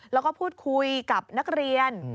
แล้วก็พูดคุยกับนักเรียน